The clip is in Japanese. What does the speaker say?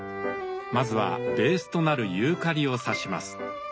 まずはベースとなるユーカリを挿します。